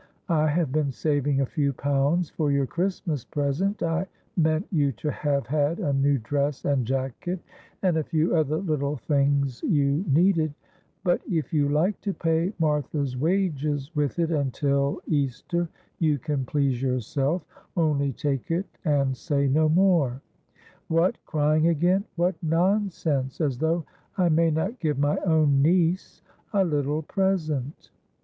I have been saving a few pounds for your Christmas present I meant you to have had a new dress and jacket, and a few other little things you needed; but if you like to pay Martha's wages with it until Easter you can please yourself only take it and say no more what, crying again! What nonsense, as though I may not give my own niece a little present."